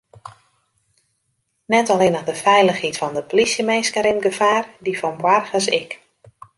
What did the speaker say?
Net allinnich de feilichheid fan de plysjeminsken rint gefaar, dy fan boargers ek.